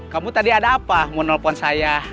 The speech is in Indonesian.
kamu tadi ada apa mau nelfon saya